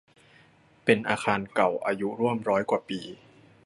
เป็นอาคารเก่าอายุร่วมร้อยกว่าปี